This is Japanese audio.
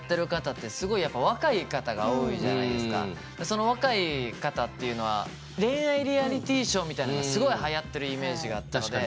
その若い方っていうのは恋愛リアリティショーみたいなのがすごいはやってるイメージがあったので。